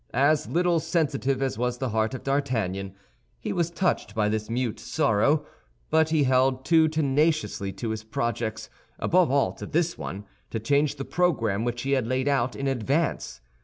As little sensitive as was the heart of D'Artagnan, he was touched by this mute sorrow; but he held too tenaciously to his projects, above all to this one, to change the program which he had laid out in advance.